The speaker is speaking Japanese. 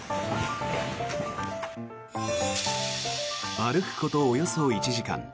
歩くことおよそ１時間。